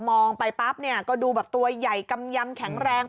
มองไปปั๊บเนี่ยก็ดูแบบตัวใหญ่กำยำแข็งแรง